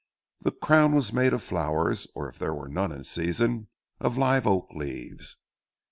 The crown was made of flowers, or if there were none in season, of live oak leaves.